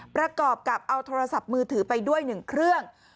ประกอบกับเอาโทรศัพท์มือถือไปด้วย๑เครื่อง